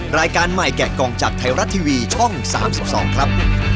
รายการใหม่แกะกล่องจากไทยรัฐทีวีช่อง๓๒ครับ